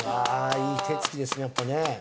いい手付きですねやっぱね。